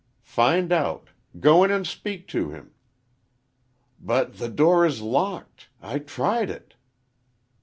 "Find out! Go in and speak to him." "But the door is locked. I tried it."